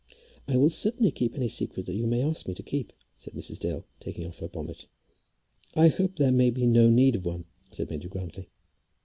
"I will certainly keep any secret that you may ask me to keep," said Mrs. Dale, taking off her bonnet. "I hope there may be no need of one," said Major Grantly.